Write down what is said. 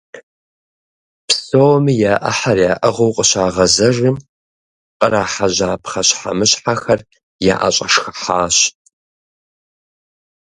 Псоми я Ӏыхьэр яӀыгъыу къыщагъэзэжым, кърахьэжьа пхъэщхьэмыщхьэхэр яӀэщӀэшхыхьащ.